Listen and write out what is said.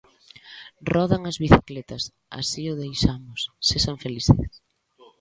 Rodan as bicicletas, así o deixamos, sexan felices.